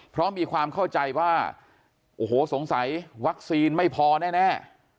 เพราะมีความเข้าใจว่าโอ้โหสงสัยวัคซีนไม่พอแน่